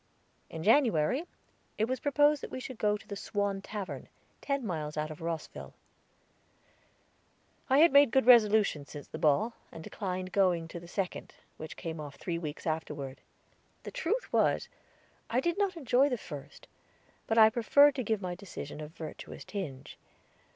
In January it was proposed that we should go to the Swan Tavern, ten miles out of Rosville. I had made good resolutions since the ball, and declined going to the second, which came off three weeks afterward. The truth was, I did not enjoy the first; but I preferred to give my decision a virtuous tinge.